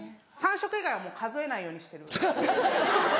３食以外はもう数えないようにしてる。